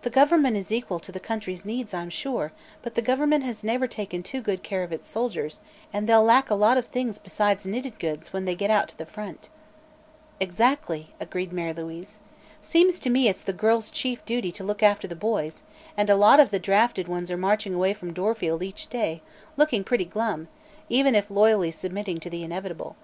"The government is equal to the country's needs, I'm sure, but the government has never taken any too good care of its soldiers and they'll lack a lot of things besides knitted goods when they get to the front." "Exactly," agreed Mary Louise. "Seems to me it's the girls' chief duty to look after the boys, and a lot of the drafted ones are marching away from Dorfield each day, looking pretty glum, even if loyally submitting to the inevitable.